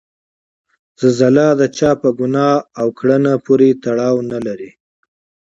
زلزله د چا په ګناه او کړنه پورې تړاو نلري.